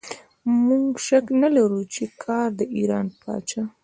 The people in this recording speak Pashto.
موږ شک نه لرو چې که د ایران پاچا.